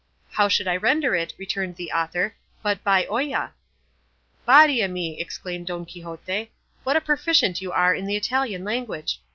"How should I render it," returned the author, "but by olla?" "Body o' me," exclaimed Don Quixote, "what a proficient you are in the Italian language!